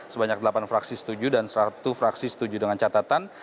sebanyak delapan fraksi setuju dan satu fraksi setuju dengan catatan